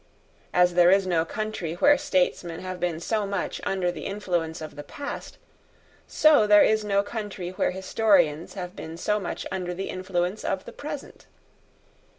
As there is no country where statesmen have been so much under the influence of the past, so there is no country where historians have been so much under the influence of the present.